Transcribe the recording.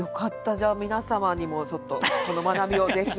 じゃあ皆様にもちょっとこの学びをぜひ。